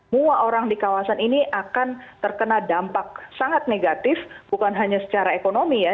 mua orang di kawasan ini akan terkena dampak sangat negatif bukan hanya secara ekonomi ya